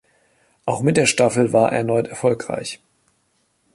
Auch mit der Staffel war erneut erfolgreich.